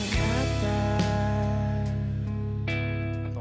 tidak aku tidak mau